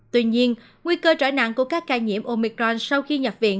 tuy nhiên nguy cơ trở nặng của các ca nhiễm omicron sau khi nhập viện